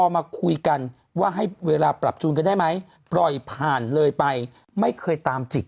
มาคุยกันว่าให้เวลาปรับจูนกันได้ไหมปล่อยผ่านเลยไปไม่เคยตามจิก